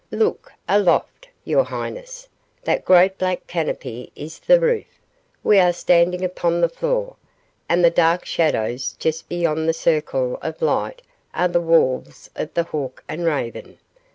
"Look aloft, your highness. That great black canopy is the roof; we are standing upon the floor, and the dark shadows just beyond the circle of light are the walls of the Hawk and Raven.